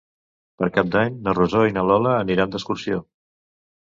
Per Cap d'Any na Rosó i na Lola aniran d'excursió.